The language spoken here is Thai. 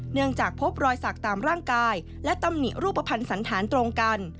จากพบรอยสักตามร่างกายและตำหนิรูปภัณฑ์สันธารตรงกัน